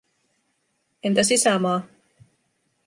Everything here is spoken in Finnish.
Entä sisämaa?